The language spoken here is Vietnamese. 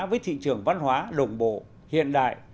với thị trường văn hóa đồng bộ hiện đại